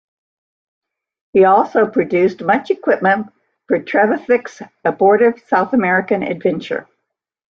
He also produced much equipment for Trevithick's abortive South American adventure.